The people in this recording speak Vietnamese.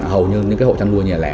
hầu như những hội chăn nuôi nhỏ lẻ